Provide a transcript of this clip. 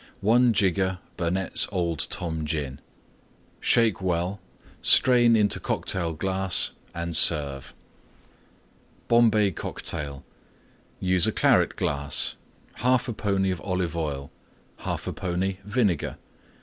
1 jigger Burnette's Old Tom Gin. Shake well; strain into Cocktail glass and serve. BOMBAY COCKTAIL Use a Claret glass. 1/2 pony Olive Oil. 1/2 pony Vinegar.